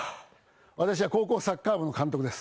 私は高校サッカー部監督です。